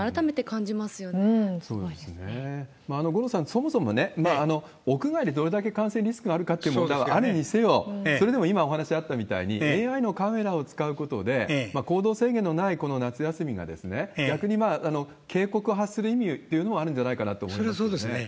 五郎さん、そもそも屋外でどれだけ感染リスクがあるかっていう問題はあるにせよ、それでも今お話あったみたいに、ＡＩのカメラを使うことで、行動制限のないこの夏休みが、逆に警告を発するという意味というのもあるんじゃないかなと思いそれはそうですね。